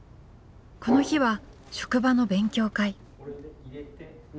この日は職場の勉強会。